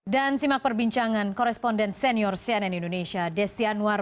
dan simak perbincangan koresponden senior cnn indonesia desy anwar